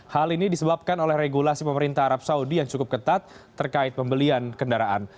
hal ini disebabkan oleh regulasi pemerintah arab saudi yang cukup ketat terkait pembelian kendaraan